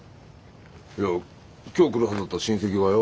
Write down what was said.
いや今日来るはずだった親戚がよ